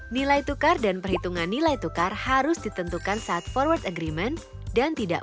nilai tukar dan perhitungan nilai tukar harus ditentukan saat forward agreement dan tidak